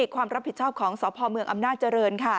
ความรับผิดชอบของสพอำนาจเจริญค่ะ